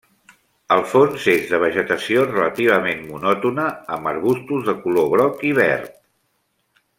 El fons és de vegetació relativament monòtona amb arbustos de color groc i verd.